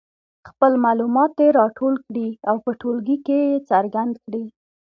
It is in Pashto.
خپل معلومات دې راټول کړي او په ټولګي کې یې څرګند کړي.